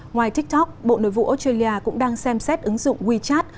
ngoài tiktok bộ nội vụ australia cũng đang xem xét ứng dụng wechat